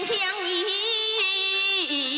ภูมิสุดท้าย